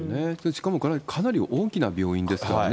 しかもこれ、かなり大きな病院ですからね。